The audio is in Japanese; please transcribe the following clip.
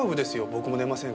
僕も寝ませんから。